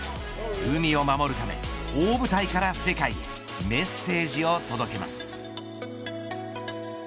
海を守るため大舞台から世界へメッセージを届けます。